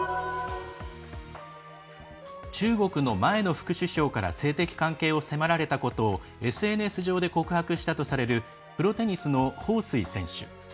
中国の前の副首相から性的関係を迫られたことをＳＮＳ上で告白したとされるプロテニスの彭帥選手。